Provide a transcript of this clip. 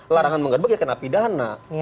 larangan menggebek ya kena pidana